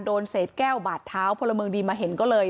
โดนเศษแก้วบาดเท้าพลเมืองดีมาเห็นก็เลย